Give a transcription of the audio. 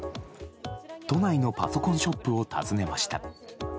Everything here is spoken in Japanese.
都内のパソコンショップを訪ねました。